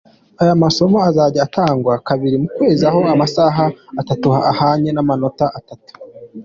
Aya masomo azajya atangwa kabiri mu kwezi aho amasaha atatu ahwanye n’amanota atatu.